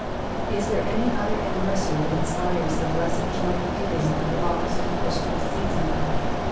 Is there any other anniversary that inspires the blessed joy of giving that belongs to the Christmas season?